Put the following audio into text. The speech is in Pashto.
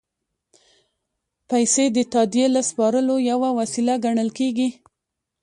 پیسې د تادیې یا سپارلو یوه وسیله ګڼل کېږي